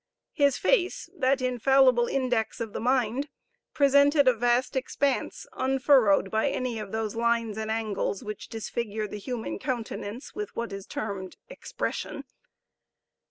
His face, that infallible index of the mind, presented a vast expanse, unfurrowed by any of those lines and angles which disfigure the human countenance with what is termed expression.